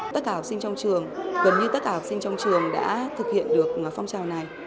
tất cả học sinh trong trường gần như tất cả học sinh trong trường đã thực hiện được phong trào này